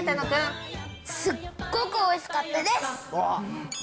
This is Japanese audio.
すっごくおいしかったです。